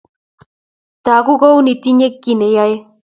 Toku kouni tinyei kiy neyoe